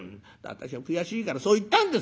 「私も悔しいからそう言ったんですよ。